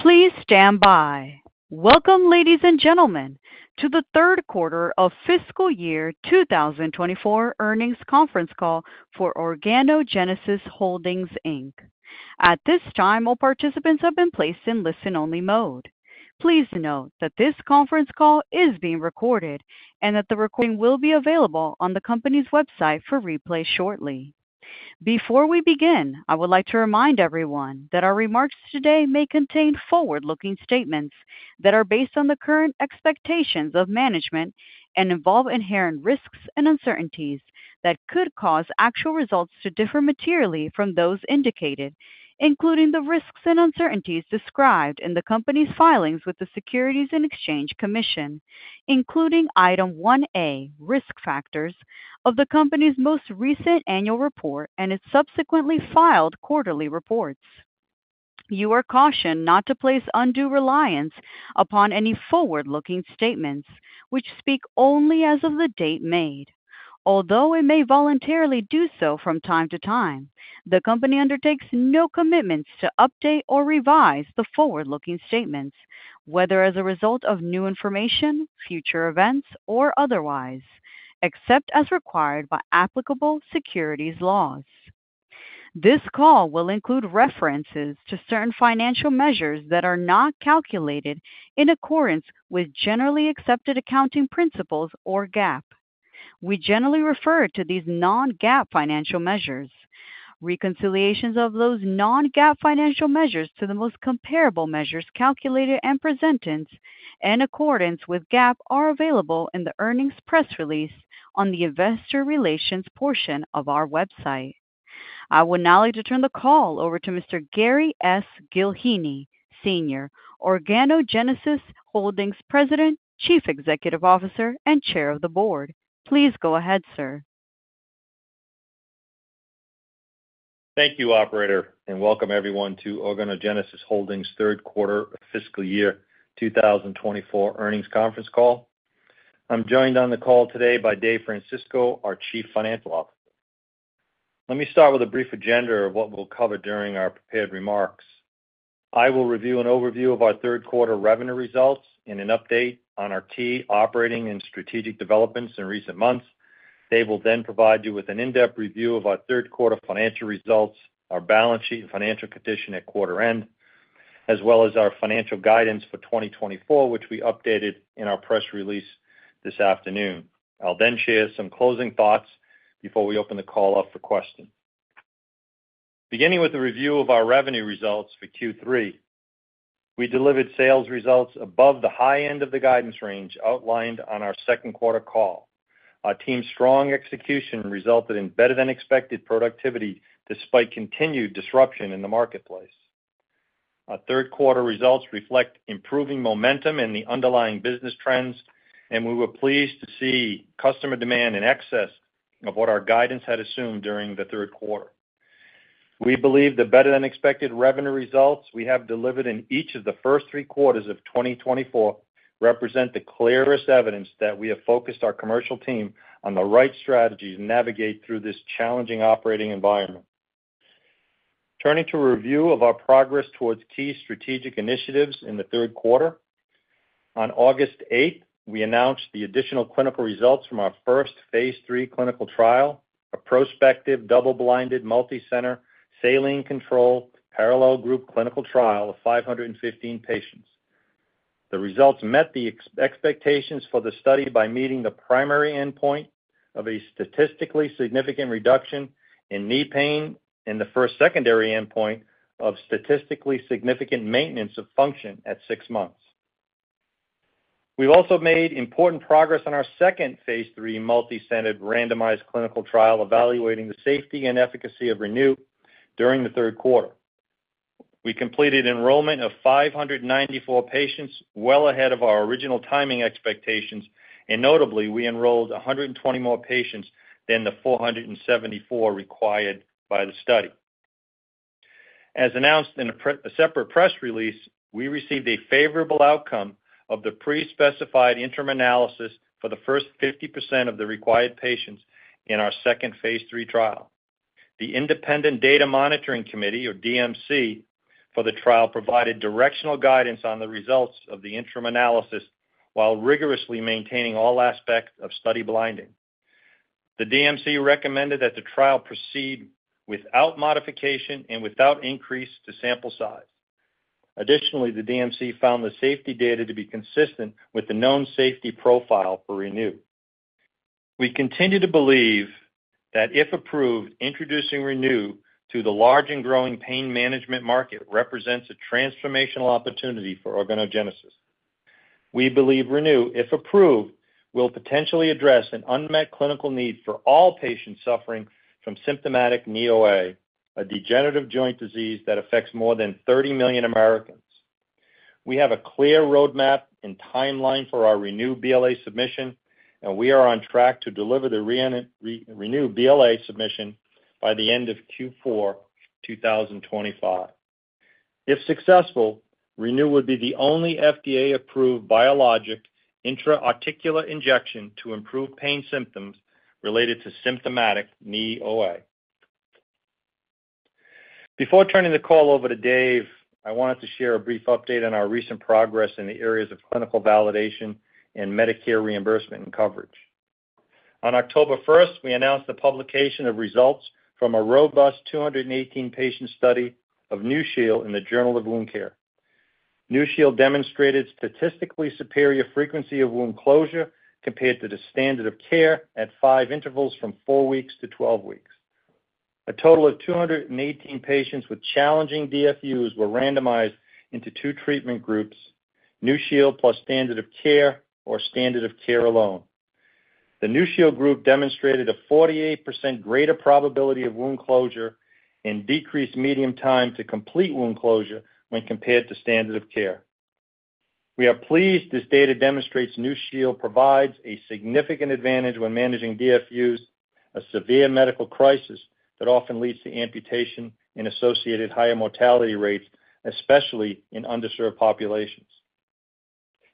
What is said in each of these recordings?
Please stand by. Welcome, ladies and gentlemen, to the third quarter of fiscal year 2024 earnings conference call for Organogenesis Holdings, Inc. At this time, all participants have been placed in listen-only mode. Please note that this conference call is being recorded and that the recording will be available on the company's website for replay shortly. Before we begin, I would like to remind everyone that our remarks today may contain forward-looking statements that are based on the current expectations of management and involve inherent risks and uncertainties that could cause actual results to differ materially from those indicated, including the risks and uncertainties described in the company's filings with the Securities and Exchange Commission, including Item 1A, Risk Factors, of the company's most recent annual report and its subsequently filed quarterly reports. You are cautioned not to place undue reliance upon any forward-looking statements, which speak only as of the date made. Although it may voluntarily do so from time to time, the company undertakes no commitments to update or revise the forward-looking statements, whether as a result of new information, future events, or otherwise, except as required by applicable securities laws. This call will include references to certain financial measures that are not calculated in accordance with generally accepted accounting principles or GAAP. We generally refer to these non-GAAP financial measures. Reconciliations of those non-GAAP financial measures to the most comparable measures calculated and presented in accordance with GAAP are available in the earnings press release on the investor relations portion of our website. I would now like to turn the call over to Mr. Gary S. Gillheeney, Sr., Organogenesis Holdings' President, Chief Executive Officer, and Chair of the Board. Please go ahead, Sir. Thank you, operator, and welcome everyone to Organogenesis Holdings' third quarter of fiscal year 2024 earnings conference call. I'm joined on the call today by Dave Francisco, our Chief Financial Officer. Let me start with a brief agenda of what we'll cover during our prepared remarks. I will review an overview of our third quarter revenue results and an update on our key operating and strategic developments in recent months. Dave will then provide you with an in-depth review of our third quarter financial results, our balance sheet and financial condition at quarter end, as well as our financial guidance for 2024, which we updated in our press release this afternoon. I'll then share some closing thoughts before we open the call up for questions. Beginning with a review of our revenue results for Q3, we delivered sales results above the high end of the guidance range outlined on our second quarter call. Our team's strong execution resulted in better-than-expected productivity despite continued disruption in the marketplace. Our third quarter results reflect improving momentum in the underlying business trends, and we were pleased to see customer demand in excess of what our guidance had assumed during the third quarter. We believe the better-than-expected revenue results we have delivered in each of the first three quarters of 2024 represent the clearest evidence that we have focused our commercial team on the right strategies to navigate through this challenging operating environment. Turning to a review of our progress towards key strategic initiatives in the third quarter, on August 8th, we announced the additional clinical results from our first Phase 3 clinical trial, a prospective double-blinded multicenter saline control parallel group clinical trial of 515 patients. The results met the expectations for the study by meeting the primary endpoint of a statistically significant reduction in knee pain and the first secondary endpoint of statistically significant maintenance of function at six months. We've also made important progress on our second Phase 3 multicentered randomized clinical trial evaluating the safety and efficacy of ReNu during the third quarter. We completed enrollment of 594 patients well ahead of our original timing expectations, and notably, we enrolled 120 more patients than the 474 required by the study. As announced in a separate press release, we received a favorable outcome of the pre-specified interim analysis for the first 50% of the required patients in our second Phase 3 trial. The independent data monitoring committee, or DMC, for the trial provided directional guidance on the results of the interim analysis while rigorously maintaining all aspects of study blinding. The DMC recommended that the trial proceed without modification and without increase to sample size. Additionally, the DMC found the safety data to be consistent with the known safety profile for ReNu. We continue to believe that if approved, introducing ReNu to the large and growing pain management market represents a transformational opportunity for Organogenesis. We believe ReNu, if approved, will potentially address an unmet clinical need for all patients suffering from symptomatic knee OA, a degenerative joint disease that affects more than 30 million Americans. We have a clear roadmap and timeline for our ReNu BLA submission, and we are on track to deliver the ReNu BLA submission by the end of Q4 2025. If successful, ReNu would be the only FDA-approved biologic intra-articular injection to improve pain symptoms related to symptomatic knee OA. Before turning the call over to Dave, I wanted to share a brief update on our recent progress in the areas of clinical validation and Medicare reimbursement and coverage. On October 1st, we announced the publication of results from a robust 218-patient study of NuShield in the Journal of Wound Care. NuShield demonstrated statistically superior frequency of wound closure compared to the standard of care at five intervals from four weeks to 12 weeks. A total of 218 patients with challenging DFUs were randomized into two treatment groups: NuShield plus standard of care or standard of care alone. The NuShield group demonstrated a 48% greater probability of wound closure and decreased median time to complete wound closure when compared to standard of care. We are pleased this data demonstrates NuShield provides a significant advantage when managing DFUs, a severe medical crisis that often leads to amputation and associated higher mortality rates, especially in underserved populations.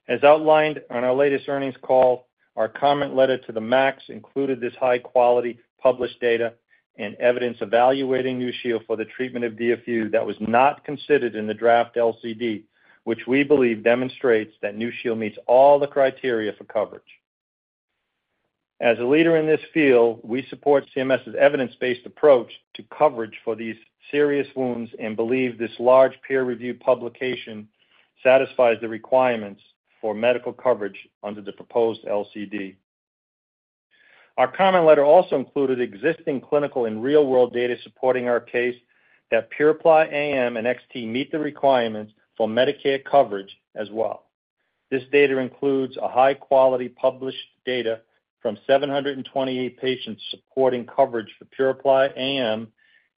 As outlined on our latest earnings call, our comment letter to the MAC included this high-quality published data and evidence evaluating NuShield for the treatment of DFU that was not considered in the draft LCD, which we believe demonstrates that NuShield meets all the criteria for coverage. As a leader in this field, we support CMS's evidence-based approach to coverage for these serious wounds and believe this large peer-reviewed publication satisfies the requirements for medical coverage under the proposed LCD. Our comment letter also included existing clinical and real-world data supporting our case that PuraPly AM and XT meet the requirements for Medicare coverage as well. This data includes high-quality published data from 728 patients supporting coverage for PuraPly AM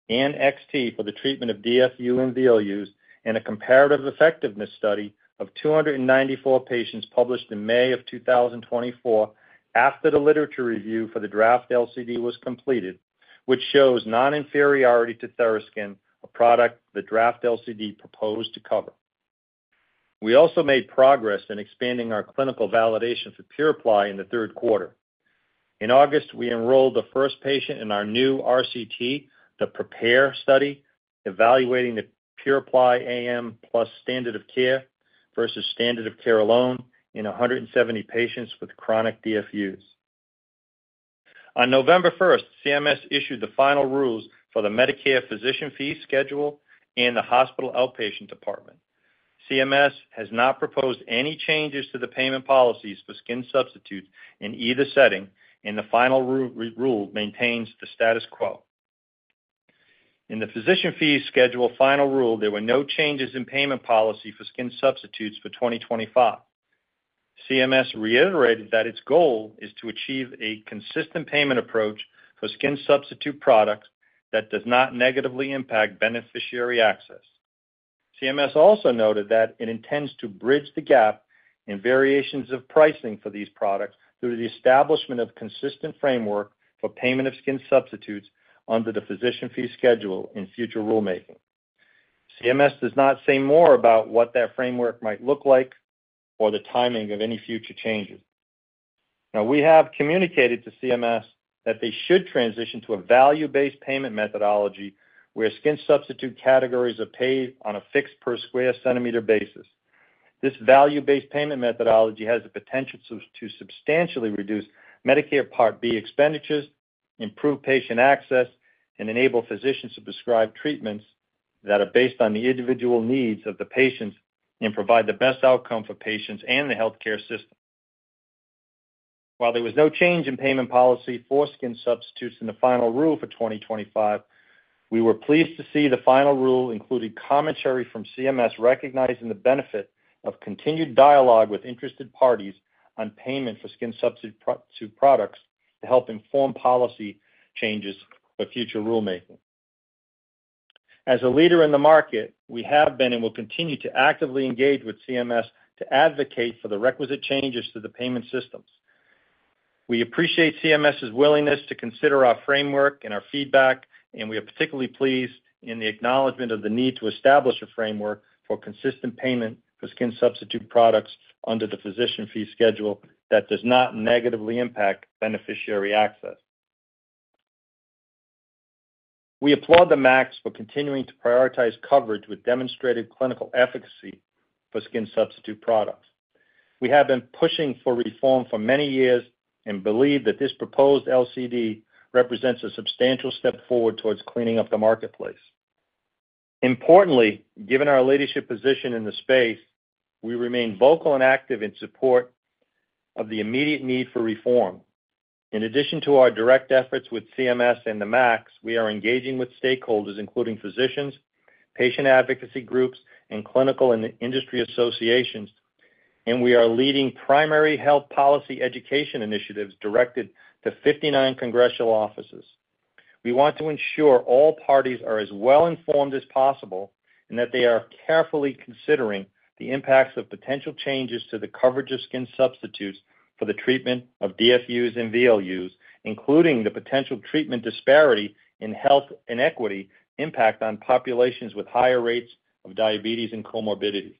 and XT for the treatment of DFU and VLUs and a comparative effectiveness study of 294 patients published in May of 2024 after the literature review for the draft LCD was completed, which shows non-inferiority to TheraSkin, a product the draft LCD proposed to cover. We also made progress in expanding our clinical validation for PuraPly in the third quarter. In August, we enrolled the first patient in our new RCT, the PREPARE study, evaluating the PuraPly AM plus standard of care versus standard of care alone in 170 patients with chronic DFUs. On November 1st, CMS issued the final rules for the Medicare Physician Fee Schedule and the Hospital Outpatient Department. CMS has not proposed any changes to the payment policies for skin substitutes in either setting, and the final rule maintains the status quo. In the Physician Fee Schedule final rule, there were no changes in payment policy for skin substitutes for 2025. CMS reiterated that its goal is to achieve a consistent payment approach for skin substitute products that does not negatively impact beneficiary access. CMS also noted that it intends to bridge the gap in variations of pricing for these products through the establishment of a consistent framework for payment of skin substitutes under the Physician Fee Schedule in future rulemaking. CMS does not say more about what that framework might look like or the timing of any future changes. Now, we have communicated to CMS that they should transition to a value-based payment methodology where skin substitute categories are paid on a fixed per square centimeter basis. This value-based payment methodology has the potential to substantially reduce Medicare Part B expenditures, improve patient access, and enable physicians to prescribe treatments that are based on the individual needs of the patients and provide the best outcome for patients and the healthcare system. While there was no change in payment policy for skin substitutes in the final rule for 2025, we were pleased to see the final rule included commentary from CMS recognizing the benefit of continued dialogue with interested parties on payment for skin substitute products to help inform policy changes for future rulemaking. As a leader in the market, we have been and will continue to actively engage with CMS to advocate for the requisite changes to the payment systems. We appreciate CMS's willingness to consider our framework and our feedback, and we are particularly pleased in the acknowledgment of the need to establish a framework for consistent payment for skin substitute products under the physician fee schedule that does not negatively impact beneficiary access. We applaud the MAC for continuing to prioritize coverage with demonstrated clinical efficacy for skin substitute products. We have been pushing for reform for many years and believe that this proposed LCD represents a substantial step forward towards cleaning up the marketplace. Importantly, given our leadership position in the space, we remain vocal and active in support of the immediate need for reform. In addition to our direct efforts with CMS and the MAC, we are engaging with stakeholders, including physicians, patient advocacy groups, and clinical and industry associations, and we are leading primary health policy education initiatives directed to 59 congressional offices. We want to ensure all parties are as well informed as possible and that they are carefully considering the impacts of potential changes to the coverage of skin substitutes for the treatment of DFUs and VLUs, including the potential treatment disparity in health inequity impact on populations with higher rates of diabetes and comorbidity.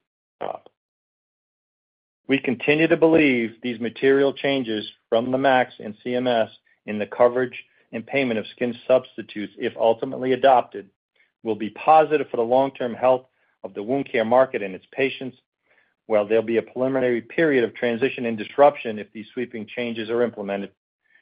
We continue to believe these material changes from the MAC and CMS in the coverage and payment of skin substitutes, if ultimately adopted, will be positive for the long-term health of the wound care market and its patients, while there will be a preliminary period of transition and disruption if these sweeping changes are implemented.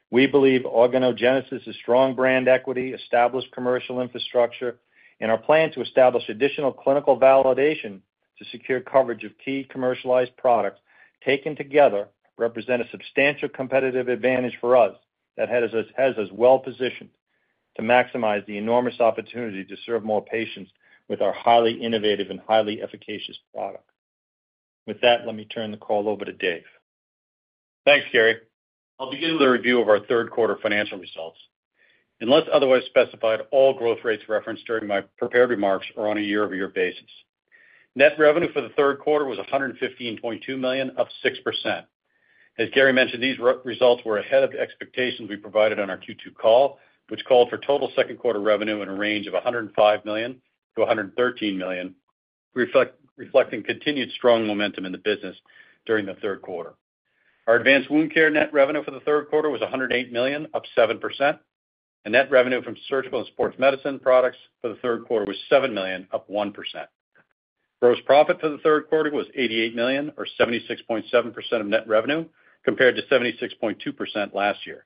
We believe Organogenesis' strong brand equity, established commercial infrastructure, and our plan to establish additional clinical validation to secure coverage of key commercialized products taken together represents a substantial competitive advantage for us that has us well positioned to maximize the enormous opportunity to serve more patients with our highly innovative and highly efficacious product. With that, let me turn the call over to Dave. Thanks, Gary. I'll begin with a review of our third quarter financial results. Unless otherwise specified, all growth rates referenced during my prepared remarks are on a year-over-year basis. Net revenue for the third quarter was $115.2 million, up 6%. As Gary mentioned, these results were ahead of the expectations we provided on our Q2 call, which called for total second quarter revenue in a range of $105 million to $113 million, reflecting continued strong momentum in the business during the third quarter. Our Advanced Wound Care net revenue for the third quarter was $108 million, up 7%. The net revenue from Surgical and Sports Medicine products for the third quarter was $7 million, up 1%. Gross profit for the third quarter was $88 million, or 76.7% of net revenue, compared to 76.2% last year.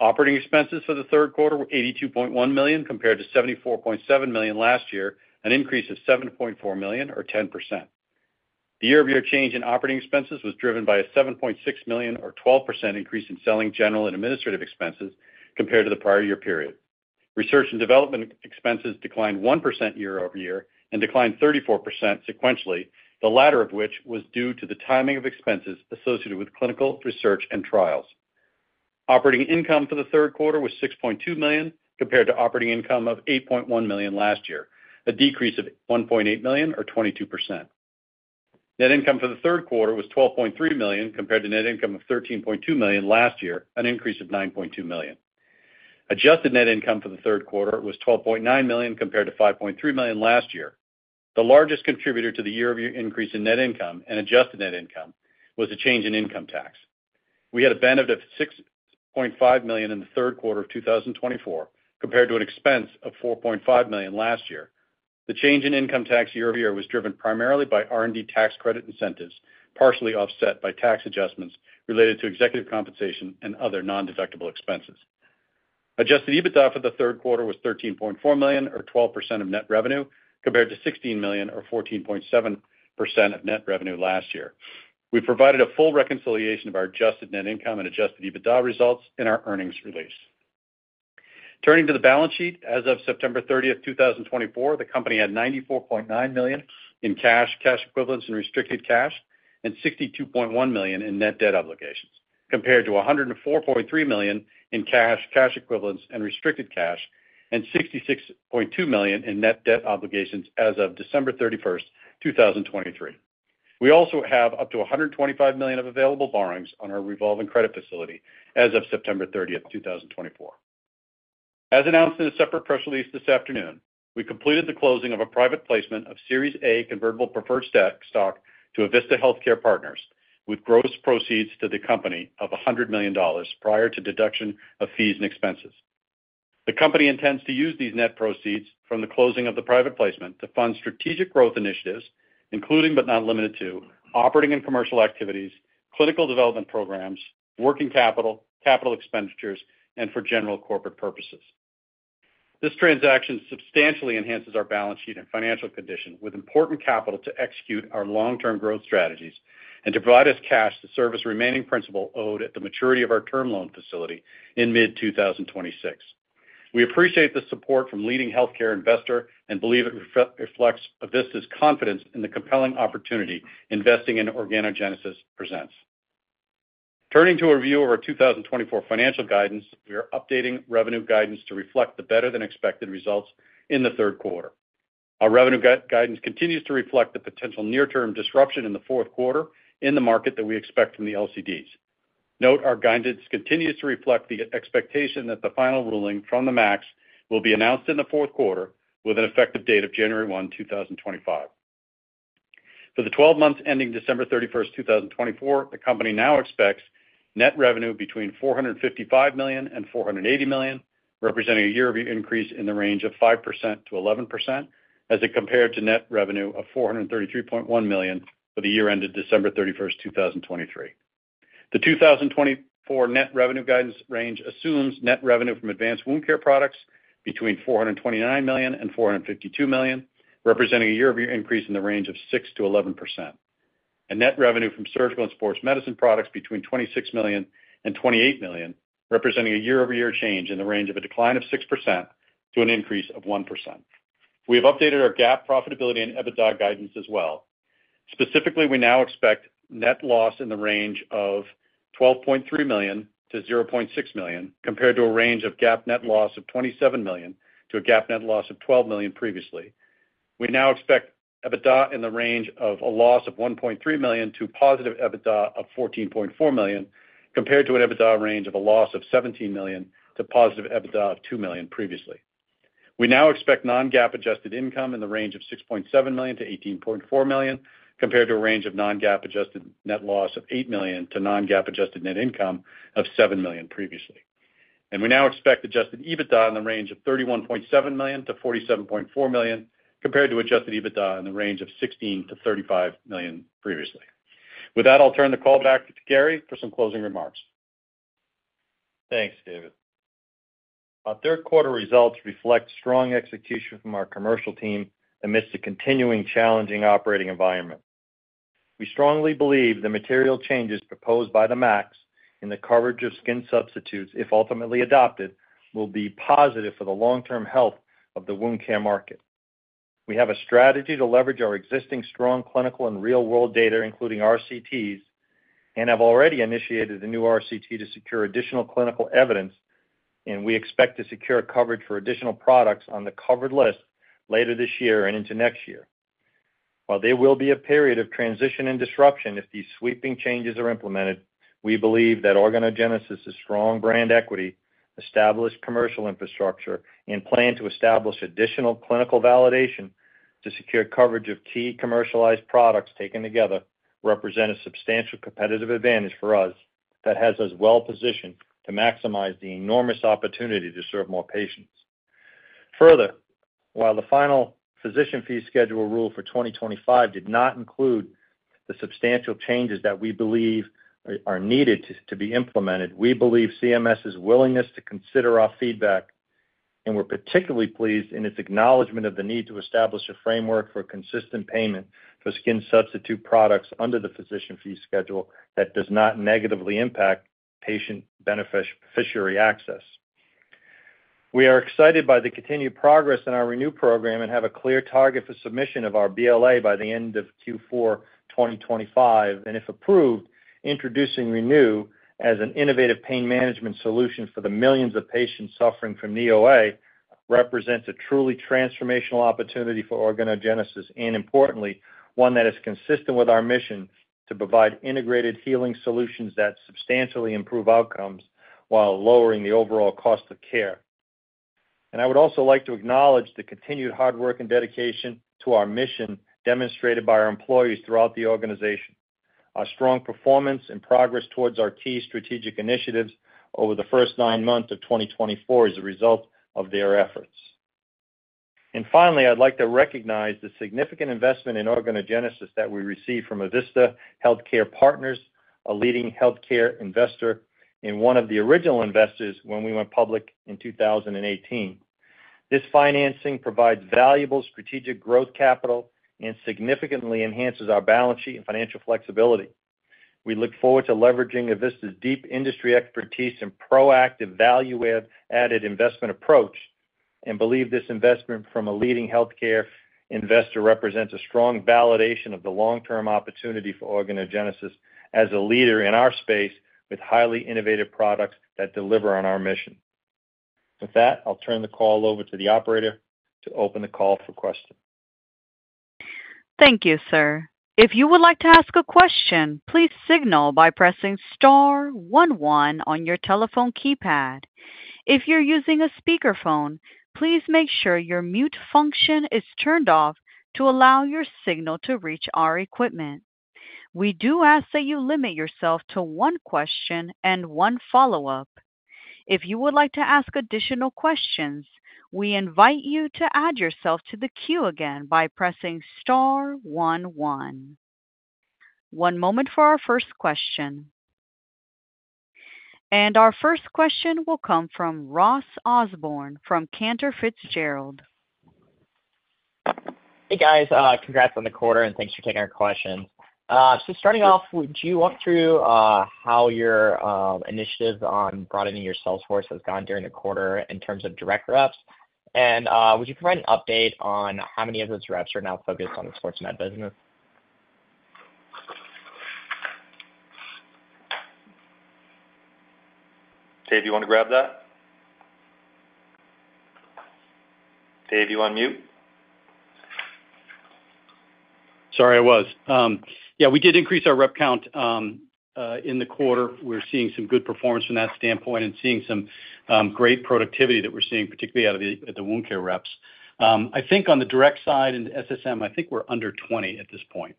Operating expenses for the third quarter were $82.1 million, compared to $74.7 million last year, an increase of $7.4 million, or 10%. The year-over-year change in operating expenses was driven by a $7.6 million, or 12%, increase in selling general and administrative expenses compared to the prior year period. Research and development expenses declined 1% year-over-year and declined 34% sequentially, the latter of which was due to the timing of expenses associated with clinical research and trials. Operating income for the third quarter was $6.2 million, compared to operating income of $8.1 million last year, a decrease of $1.8 million, or 22%. Net income for the third quarter was $12.3 million, compared to net income of $13.2 million last year, an increase of $9.2 million. Adjusted net income for the third quarter was $12.9 million, compared to $5.3 million last year. The largest contributor to the year-over-year increase in net income and adjusted net income was a change in income tax. We had a benefit of $6.5 million in the third quarter of 2024, compared to an expense of $4.5 million last year. The change in income tax year-over-year was driven primarily by R&D tax credit incentives, partially offset by tax adjustments related to executive compensation and other non-deductible expenses. Adjusted EBITDA for the third quarter was $13.4 million, or 12% of net revenue, compared to $16 million, or 14.7% of net revenue last year. We provided a full reconciliation of our adjusted net income and adjusted EBITDA results in our earnings release. Turning to the balance sheet, as of September 30th, 2024, the company had $94.9 million in cash, cash equivalents, and restricted cash, and $62.1 million in net debt obligations, compared to $104.3 million in cash, cash equivalents, and restricted cash, and $66.2 million in net debt obligations as of December 31st, 2023. We also have up to $125 million of available borrowings on our revolving credit facility as of September 30th, 2024. As announced in a separate press release this afternoon, we completed the closing of a private placement of Series A convertible preferred stock to Avista Healthcare Partners, with gross proceeds to the company of $100 million prior to deduction of fees and expenses. The company intends to use these net proceeds from the closing of the private placement to fund strategic growth initiatives, including but not limited to operating and commercial activities, clinical development programs, working capital, capital expenditures, and for general corporate purposes. This transaction substantially enhances our balance sheet and financial condition with important capital to execute our long-term growth strategies and to provide us cash to service remaining principal owed at the maturity of our term loan facility in mid-2026. We appreciate the support from leading healthcare investors and believe it reflects Avista's confidence in the compelling opportunity investing in Organogenesis presents. Turning to a review of our 2024 financial guidance, we are updating revenue guidance to reflect the better-than-expected results in the third quarter. Our revenue guidance continues to reflect the potential near-term disruption in the fourth quarter in the market that we expect from the LCDs. Note, our guidance continues to reflect the expectation that the final ruling from the MAC will be announced in the fourth quarter with an effective date of January 1, 2025. For the 12 months ending December 31st, 2024, the company now expects net revenue between $455 million and $480 million, representing a year-over-year increase in the range of 5% to 11% as it compared to net revenue of $433.1 million for the year ended December 31st, 2023. The 2024 net revenue guidance range assumes net revenue from Advanced Wound Care products between $429 million and $452 million, representing a year-over-year increase in the range of 6% to 11%, and net revenue from surgical and sports medicine products between $26 million and $28 million, representing a year-over-year change in the range of a decline of 6% to an increase of 1%. We have updated our GAAP profitability and EBITDA guidance as well. Specifically, we now expect net loss in the range of $12.3 million to $0.6 million, compared to a range of GAAP net loss of $27 million to a GAAP net loss of $12 million previously. We now expect EBITDA in the range of a loss of $1.3 million to positive EBITDA of $14.4 million, compared to an EBITDA range of a loss of $17 million to positive EBITDA of $2 million previously. We now expect non-GAAP adjusted income in the range of $6.7 million to $18.4 million, compared to a range of non-GAAP adjusted net loss of $8 million to non-GAAP adjusted net income of $7 million previously. And we now expect adjusted EBITDA in the range of $31.7 million to $47.4 million, compared to adjusted EBITDA in the range of $16 million to $35 million previously. With that, I'll turn the call back to Gary for some closing remarks. Thanks, David. Our third quarter results reflect strong execution from our commercial team amidst a continuing challenging operating environment. We strongly believe the material changes proposed by the MAC in the coverage of skin substitutes, if ultimately adopted, will be positive for the long-term health of the wound care market. We have a strategy to leverage our existing strong clinical and real-world data, including RCTs, and have already initiated a new RCT to secure additional clinical evidence, and we expect to secure coverage for additional products on the covered list later this year and into next year. While there will be a period of transition and disruption if these sweeping changes are implemented, we believe that Organogenesis' strong brand equity, established commercial infrastructure, and plan to establish additional clinical validation to secure coverage of key commercialized products taken together represents a substantial competitive advantage for us that has us well positioned to maximize the enormous opportunity to serve more patients. Further, while the final physician fee schedule rule for 2025 did not include the substantial changes that we believe are needed to be implemented, we believe CMS's willingness to consider our feedback, and we're particularly pleased in its acknowledgment of the need to establish a framework for consistent payment for skin substitute products under the physician fee schedule that does not negatively impact patient beneficiary access. We are excited by the continued progress in our ReNu program and have a clear target for submission of our BLA by the end of Q4 2025, and if approved, introducing ReNu as an innovative pain management solution for the millions of patients suffering from knee OA represents a truly transformational opportunity for Organogenesis and, importantly, one that is consistent with our mission to provide integrated healing solutions that substantially improve outcomes while lowering the overall cost of care. I would also like to acknowledge the continued hard work and dedication to our mission demonstrated by our employees throughout the organization. Our strong performance and progress towards our key strategic initiatives over the first nine months of 2024 is a result of their efforts. Finally, I'd like to recognize the significant investment in Organogenesis that we received from Avista Healthcare Partners, a leading healthcare investor and one of the original investors when we went public in 2018. This financing provides valuable strategic growth capital and significantly enhances our balance sheet and financial flexibility. We look forward to leveraging Avista's deep industry expertise and proactive value-added investment approach and believe this investment from a leading healthcare investor represents a strong validation of the long-term opportunity for Organogenesis as a leader in our space with highly innovative products that deliver on our mission. With that, I'll turn the call over to the operator to open the call for questions. Thank you, sir. If you would like to ask a question, please signal by pressing star 11 on your telephone keypad. If you're using a speakerphone, please make sure your mute function is turned off to allow your signal to reach our equipment. We do ask that you limit yourself to one question and one follow-up. If you would like to ask additional questions, we invite you to add yourself to the queue again by pressing star 11. One moment for our first question. And our first question will come from Ross Osborne from Cantor Fitzgerald. Hey, guys. Congrats on the quarter, and thanks for taking our questions. So starting off, would you walk through how your initiatives on broadening your sales force has gone during the quarter in terms of direct reps? And would you provide an update on how many of those reps are now focused on the sports med business? Dave, do you want to grab that? Dave, you on mute? Sorry, I was. Yeah, we did increase our rep count in the quarter. We're seeing some good performance from that standpoint and seeing some great productivity that we're seeing, particularly at the wound care reps. I think on the direct side in SSM, I think we're under 20 at this point.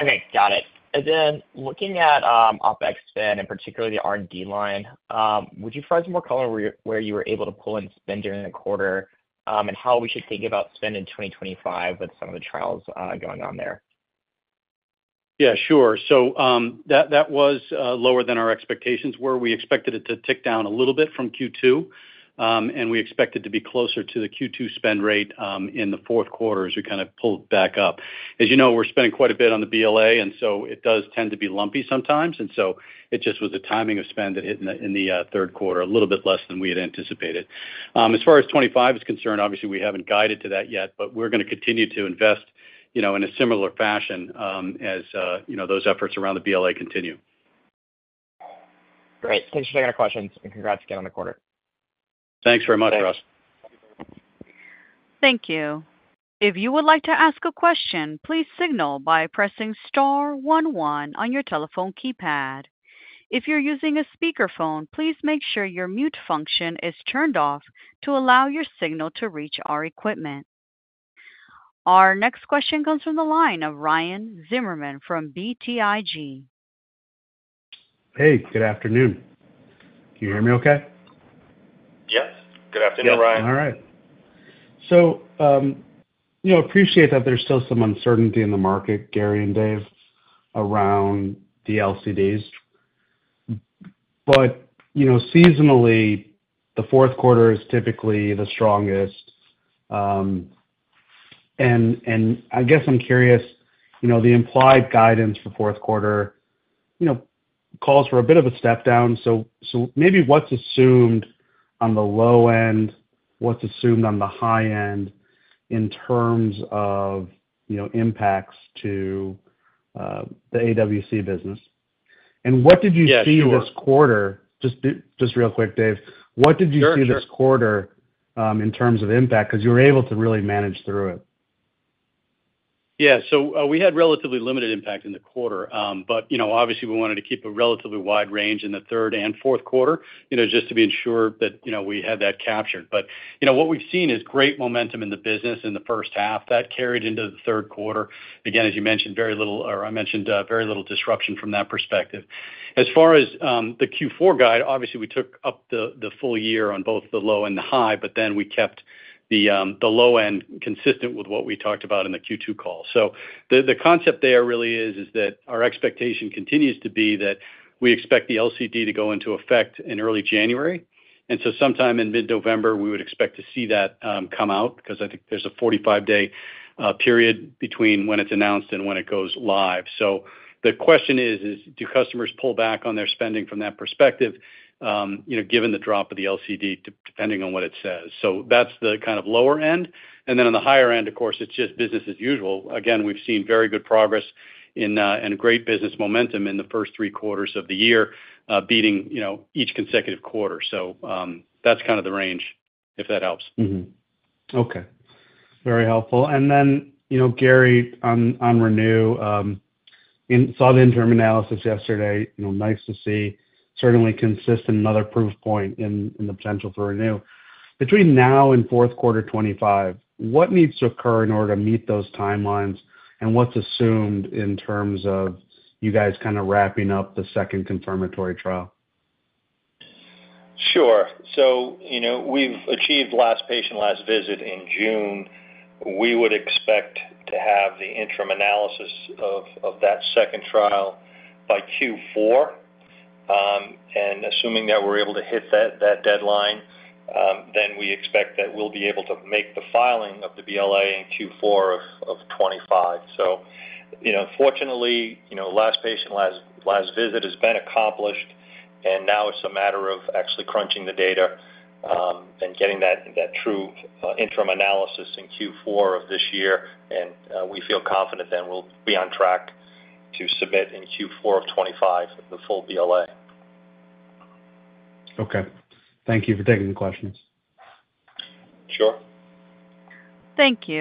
Okay, got it. And then looking at OPEX spend and particularly the R&D line, would you provide some more color where you were able to pull in spend during the quarter and how we should think about spend in 2025 with some of the trials going on there? Yeah, sure. So that was lower than our expectations were. We expected it to tick down a little bit from Q2, and we expected to be closer to the Q2 spend rate in the fourth quarter as we kind of pulled back up. As you know, we're spending quite a bit on the BLA, and so it does tend to be lumpy sometimes. And so it just was the timing of spend that hit in the third quarter, a little bit less than we had anticipated. As far as 25 is concerned, obviously, we haven't guided to that yet, but we're going to continue to invest in a similar fashion as those efforts around the BLA continue. Great. Thanks for taking our questions, and congrats again on the quarter. Thanks very much, Ross. Thank you. If you would like to ask a question, please signal by pressing star 11 on your telephone keypad. If you're using a speakerphone, please make sure your mute function is turned off to allow your signal to reach our equipment. Our next question comes from the line of Ryan Zimmerman from BTIG. Hey, good afternoon. Can you hear me okay? Yes. Good afternoon, Ryan. All right. So I appreciate that there's still some uncertainty in the market, Gary and Dave, around the LCDs. But seasonally, the fourth quarter is typically the strongest. And I guess I'm curious, the implied guidance for fourth quarter calls for a bit of a step down. So maybe what's assumed on the low end, what's assumed on the high end in terms of impacts to the AWC business? And what did you see this quarter? Just real quick, Dave. What did you see this quarter in terms of impact? Because you were able to really manage through it. Yeah. So we had relatively limited impact in the quarter, but obviously, we wanted to keep a relatively wide range in the third and fourth quarter just to be ensured that we had that captured. But what we've seen is great momentum in the business in the first half that carried into the third quarter. Again, as you mentioned, very little or I mentioned very little disruption from that perspective. As far as the Q4 guide, obviously, we took up the full year on both the low and the high, but then we kept the low end consistent with what we talked about in the Q2 call. So the concept there really is that our expectation continues to be that we expect the LCD to go into effect in early January. And so sometime in mid-November, we would expect to see that come out because I think there's a 45-day period between when it's announced and when it goes live. So the question is, do customers pull back on their spending from that perspective given the drop of the LCD depending on what it says? So that's the kind of lower end. And then on the higher end, of course, it's just business as usual. Again, we've seen very good progress and great business momentum in the first three quarters of the year, beating each consecutive quarter. So that's kind of the range, if that helps. Okay. Very helpful. And then, Gary, on ReNu, saw the interim analysis yesterday. Nice to see. Certainly consistent another proof point in the potential for ReNu. Between now and fourth quarter 2025, what needs to occur in order to meet those timelines? What's assumed in terms of you guys kind of wrapping up the second confirmatory trial? Sure. We've achieved last patient, last visit in June. We would expect to have the interim analysis of that second trial by Q4. Assuming that we're able to hit that deadline, then we expect that we'll be able to make the filing of the BLA in Q4 of 2025. Fortunately, last patient, last visit has been accomplished, and now it's a matter of actually crunching the data and getting that true interim analysis in Q4 of this year. We feel confident then we'll be on track to submit in Q4 of 2025 the full BLA. Okay. Thank you for taking the questions. Sure. Thank you.